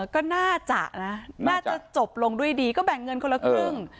ก็น่าจะนะน่าจะจบลงด้วยดีก็แบ่งเงินคนละครึ่ง